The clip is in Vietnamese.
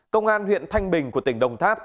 công an huyện thanh bình của tỉnh đồng tháp